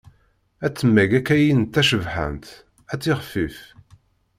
Ad temmag akkayi d tacebḥant, ad tixfif.